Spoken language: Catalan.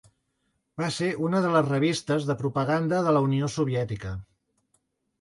Va ser una de les revistes de propaganda de la Unió Soviètica.